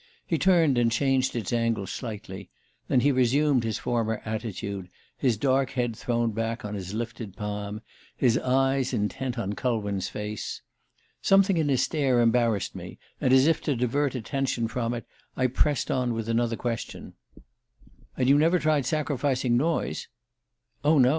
He turned and changed its angle slightly; then he resumed his former attitude, his dark head thrown back on his lifted palm, his eyes intent on Culwin's face. Something in his stare embarrassed me, and as if to divert attention from it I pressed on with another question: "And you never tried sacrificing Noyes?" "Oh, no.